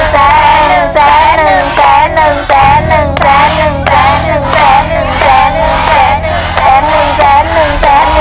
๑แสน๑แสน๑แสน๑แสน๑แสน๑แสน